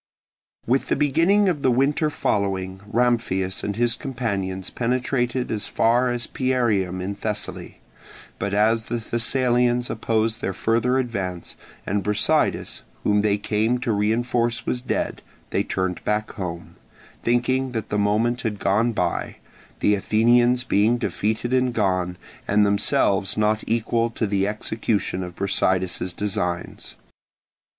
With the beginning of the winter following, Ramphias and his companions penetrated as far as Pierium in Thessaly; but as the Thessalians opposed their further advance, and Brasidas whom they came to reinforce was dead, they turned back home, thinking that the moment had gone by, the Athenians being defeated and gone, and themselves not equal to the execution of Brasidas's designs.